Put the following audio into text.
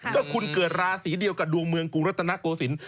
ก็คุณเกิดราศีเดียวกับดวงเมืองกรุงรัตนโกศิลป